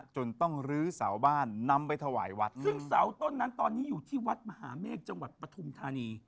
จนต้องลื้อเสาบ้านนำไปถวายวัดซึ่งเสาต้นนั้นตอนนี้อยู่ที่วัดมหาเมฆจังหวัดปฐุมธานี